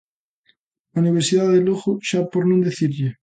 A Universidade de Lugo, xa por non dicirlle.